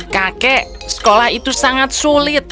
kakek sekolah itu sangat sulit